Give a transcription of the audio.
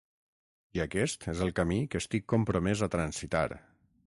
I aquest és el camí que estic compromès a transitar.